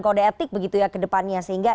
kode etik begitu ya kedepannya sehingga